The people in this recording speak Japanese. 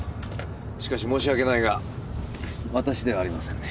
しかし申し訳ないがわたしではありませんね。